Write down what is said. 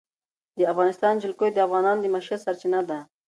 د افغانستان جلکو د افغانانو د معیشت سرچینه ده.